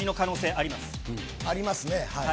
ありますね、はい。